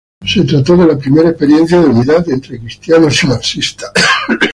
Se trató de la primera experiencia de unidad entre cristianos y marxistas.